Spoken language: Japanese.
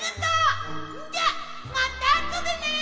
じゃまたあとでね！